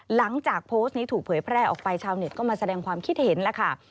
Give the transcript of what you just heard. หลังจากโพสต์นี้ถูกเผยแพร่ออกไปชาวเน็ตก็มาแสดงความคิดเห็นแล้วค่ะ